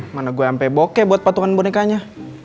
mana gue sampai bokeh buat patungan bonekanya